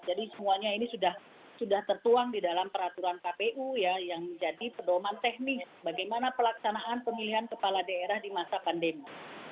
jadi semuanya ini sudah tertuang di dalam peraturan kpu yang menjadi pedoman teknik bagaimana pelaksanaan pemilihan kepala daerah di masa pandemi